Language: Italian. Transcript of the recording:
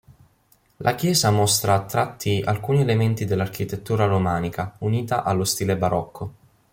La chiesa mostra a tratti alcuni elementi dell'architettura romanica, unita allo stile barocco.